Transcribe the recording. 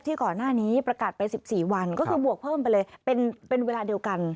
ก่อนหน้านี้ประกาศไป๑๔วันก็คือบวกเพิ่มไปเลยเป็นเวลาเดียวกัน